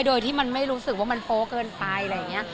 โดยที่มันไม่รู้สึกว่ามันโป๊ะเกินไปอะไรอย่างนี้